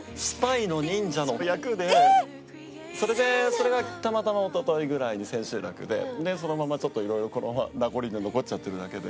それがたまたま一昨日ぐらいに千秋楽でそのままちょっといろいろ名残が残っちゃってるだけで。